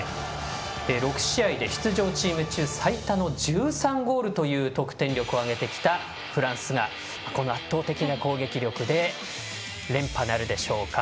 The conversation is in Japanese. ６試合で出場チーム中最多の１３ゴールという得点力を挙げてきたフランスがこの圧倒的な攻撃力で連覇なるでしょうか。